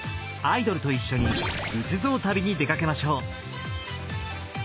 アイドルと一緒に仏像旅に出かけましょう。